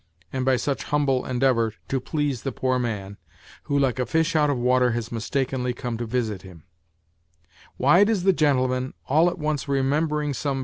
and by such humble endeavour, to please the poor man, wh<. hk. ;i \\^h out of water has mistakenly come to visit him < Why does the gentleman, all at onee remembering some